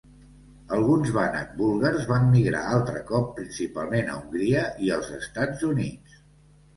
Alguns Banat búlgars van migrar altre cop, principalment a Hongria i els Estats Units.